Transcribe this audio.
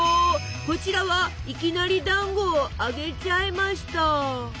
こちらはいきなりだんごを揚げちゃいました。